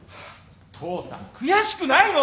父さん悔しくないの！？